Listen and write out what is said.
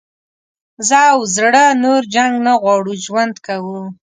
زه او زړه نور جنګ نه غواړو ژوند کوو.